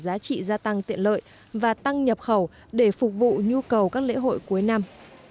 giá trị xuất khẩu tôm việt nam tăng tiện lợi và tăng nhập khẩu để phục vụ nhu cầu các lễ hội cuối năm